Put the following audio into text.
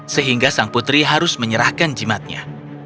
sehingga sang putri harus menyerahkan jimatnya